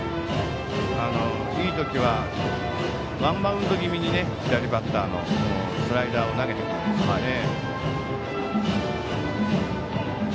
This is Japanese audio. いい時はワンバウンド気味に左バッターにスライダーを投げてくるんですね。